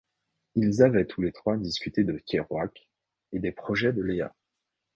Ils avaient tous les trois discuté de Kerouac et des projets de Leah.